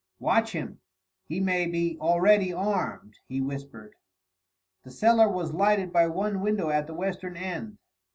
"Watch him; he may be already armed," he whispered. The cellar was lighted by one window at the western end.